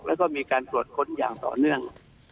แล้วก็มีการตรวจค้นอย่างต่อเนื่อง